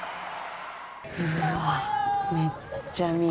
うわめっちゃ雅。